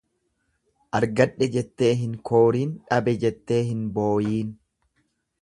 Argadhe jettee hin kooriin dhabe jettee hin booyiin.